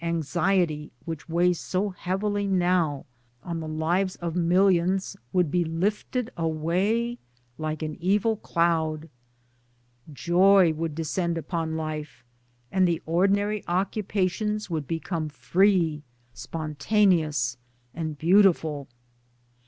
anxiety which weighs so heavily now on the lives of millions would 268 MY DAYS AND DREAMS be lifted away like an evil cloud. Joy would descend upon life, and the ordinary occupations would become free, spontaneous and beautiful.